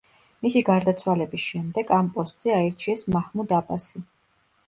მისი გარდაცვალების შემდეგ ამ პოსტზე აირჩიეს მაჰმუდ აბასი.